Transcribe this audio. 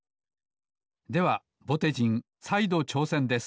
ではぼてじんさいどちょうせんです